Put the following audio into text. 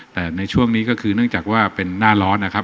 แต่ในช่วงนี้ก็คือเนื่องจากว่าเป็นหน้าร้อนนะครับ